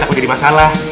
takut jadi masalah